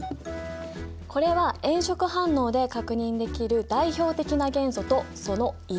これは炎色反応で確認できる代表的な元素とその色を表したもの。